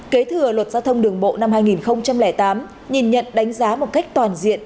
kế thừa luật giao thông đường bộ năm hai nghìn tám nhìn nhận đánh giá một cách toàn diện